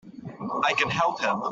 I can help him!